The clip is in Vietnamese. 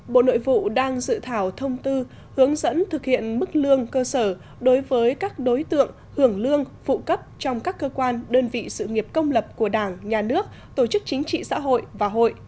bộ nội vụ đang dự thảo thông tư hướng dẫn thực hiện mức lương cơ sở đối với các đối tượng hưởng lương phụ cấp trong các cơ quan đơn vị sự nghiệp công lập của đảng nhà nước tổ chức chính trị xã hội và hội